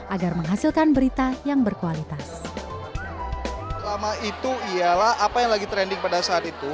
agar menghasilkan berita yang berkualitas